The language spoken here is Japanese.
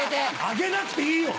あげなくていいよ。